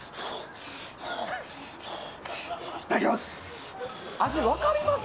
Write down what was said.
いただきます！